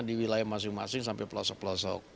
di wilayah masing masing sampai pelosok pelosok